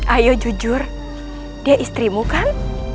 ayo jujur deh istrimu kan